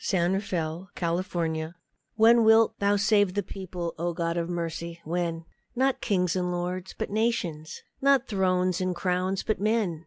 W X . Y Z The People's Anthem WHEN wilt Thou save the people? O God of mercy! when? Not kings and lords, but nations! Not thrones and crowns, but men!